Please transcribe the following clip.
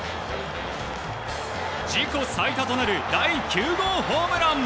自己最多となる第９号ホームラン。